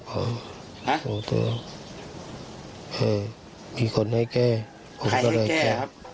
กลับออกหัวเตือนมีคนให้แก้ผมก็เลยแก้